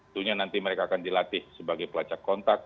tentunya nanti mereka akan dilatih sebagai pelacak kontak